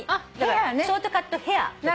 ショートカットヘアとか。